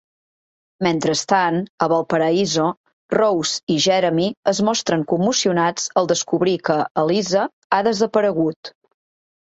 Mentrestant, a Valparaíso, Rose i Jeremy es mostren commocionats al descobrir que Eliza ha desaparegut.